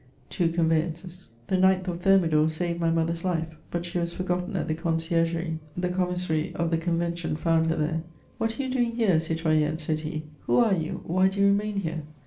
" Two conveyances." The 9th of Thermidor saved my mother's life ; but she was forgotten at the Conciergerie. The commissary of the Con vention found her there :" What are you doing here, citoyenne f said he ;" who are you ? why do you remain, here?"